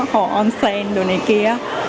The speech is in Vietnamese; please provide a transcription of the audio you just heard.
hồ onsen đồ này kia